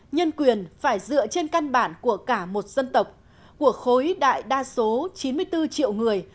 nhân quyền phải dựa trên căn bản của cả một dân tộc của khối đại đa số chín mươi bốn triệu người